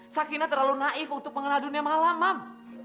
sakina terlalu naif untuk mengenal dunia malam mam